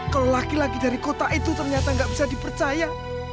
kalau laki laki dari kota itu ternyata nggak bisa dipercaya